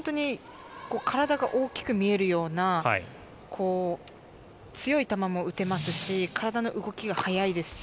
体が大きく見えるような強い球も打てますし、体の動きが速いです。